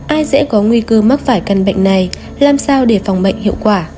ai dễ có nguy cơ mắc phải căn bệnh này làm sao để phòng bệnh hiệu quả